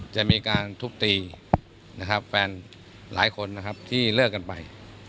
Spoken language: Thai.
จะมีการทุบตีนะครับแฟนหลายคนนะครับที่เลิกกันไป